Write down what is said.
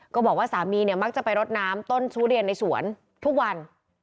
ก็บอกว่าสามีเนี่ยมักจะไปรดน้ำต้นทุเรียนในสวนทุกวัน